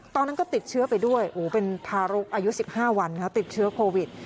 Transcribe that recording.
ตอนนั้นก็ติดเชื้อไปด้วยเป็นทารกอายุ๑๕วันติดเชื้อโควิด